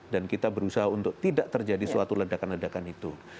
dan kita berusaha untuk tidak terjadi suatu ledakan ledakan itu